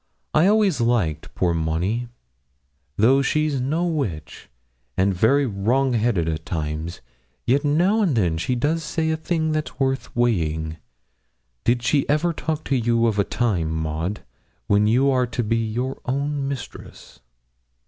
I always liked poor Monnie; and though she's no witch, and very wrong headed at times, yet now and then she does say a thing that's worth weighing. Did she ever talk to you of a time, Maud, when you are to be your own mistress?'